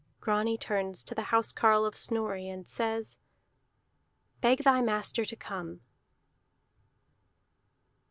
Grani turns to the housecarle of Snorri, and says: "Beg thy master to come!"